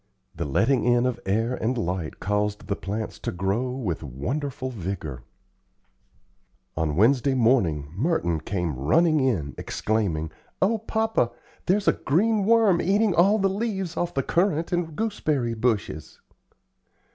The letting in of air and light caused the plants to grow with wonderful vigor. On Wednesday morning Merton came running in, exclaiming, "O papa! there's a green worm eating all the leaves off the currant and gooseberry bushes."